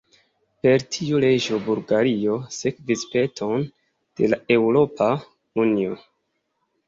Per tiu leĝo Bulgario sekvis peton de la Eŭropa Unio.